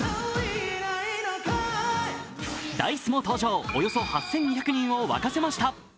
Ｄａ−ｉＣＥも登場、およそ８２００人を沸かせました。